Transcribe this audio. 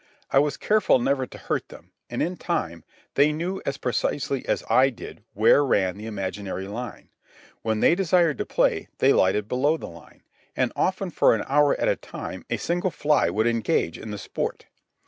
I was careful never to hurt them, and, in time, they knew as precisely as did I where ran the imaginary line. When they desired to play, they lighted below the line, and often for an hour at a time a single fly would engage in the sport.